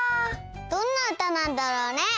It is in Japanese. どんなうたなんだろうね？